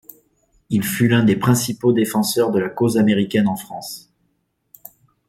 Il fut l'un des principaux défenseurs de la cause américaine en France.